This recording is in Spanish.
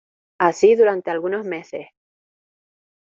Así durante algunos meses.